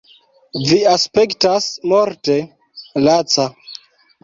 Vi aspektas morte laca.